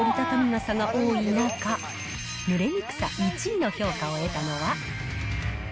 傘が多い中、ぬれにくさ１位の評価を得たのは。